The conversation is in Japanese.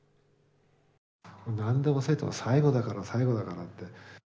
なんでも生徒が「最後だから最後だから」って。